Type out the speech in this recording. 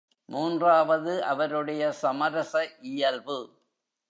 மூன்றாவது அவருடைய சமரச இயல்பு.